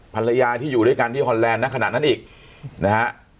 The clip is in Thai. ภรรยาที่อยู่ด้วยกันที่ฮอนแลนด์ณขณะนั้นอีกนะฮะ